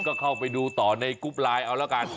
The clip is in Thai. ก็เข้าไปดูต่อในกรุ๊ปไลน์เอาละกัน